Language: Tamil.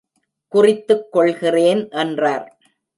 குறித்துக் கொள்கிறேன், என்றார்.